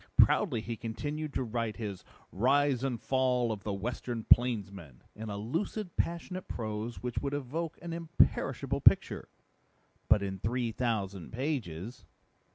Proudly he continued to write his Rise and Fall of the Western Plainsman in a lucid, passionate prose which would evoke an imperishable picture but in three thousand pages."